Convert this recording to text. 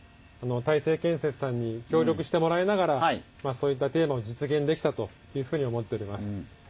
大成建設さんに協力してもらいながらそういったテーマを実現できたというふうに思っております。